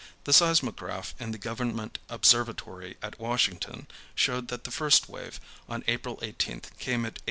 The seismograph in the government observatory at Washington showed that the first wave, on April 18th, came at 8.